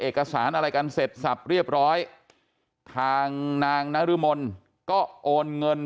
เอกสารอะไรกันเสร็จสับเรียบร้อยทางนางนรมนก็โอนเงิน